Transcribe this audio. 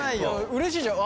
うれしいじゃん。